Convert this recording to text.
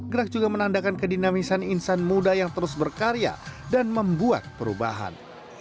gerak juga menandakan kedinamisan insan muda yang terus berkarya dan membuat perubahan